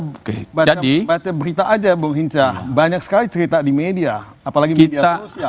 baca berita aja bu hinca banyak sekali cerita di media apalagi media sosial